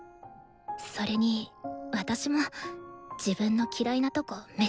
それに私も自分の嫌いなとこめっちゃあるし。